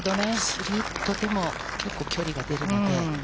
スリーウッドでも結構距離が出るので。